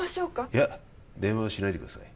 いや電話はしないでください